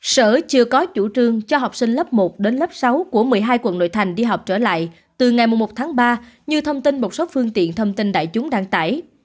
sở chưa có chủ trương cho học sinh lớp một đến lớp sáu của một mươi hai quận nội thành đi học trở lại từ ngày một tháng ba như thông tin một số phương tiện thông tin đại chúng đăng tải